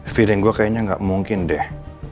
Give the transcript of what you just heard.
feeling gue kayaknya gak mungkin deh